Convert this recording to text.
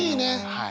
はい。